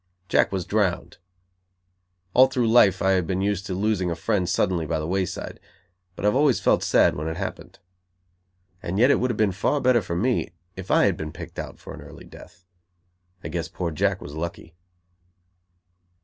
Jack was drowned. All through life I have been used to losing a friend suddenly by the wayside; but I have always felt sad when it happened. And yet it would have been far better for me if I had been picked out for an early death. I guess poor Jack was lucky.